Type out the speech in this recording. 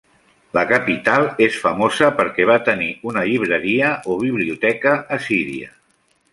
La capital és famosa perquè va tenir una llibreria o biblioteca assíria.